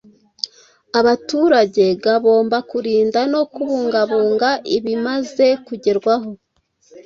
Abaturage gabomba kurinda no kubungabunga ibimaze kugerwaho